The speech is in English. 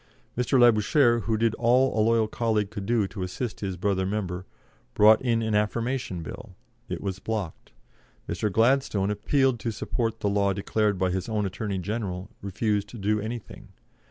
Mr. Labouchere who did all a loyal colleague could do to assist his brother member brought in an Affirmation Bill; it was blocked. Mr. Gladstone, appealed to support the law declared by his own Attorney General, refused to do anything.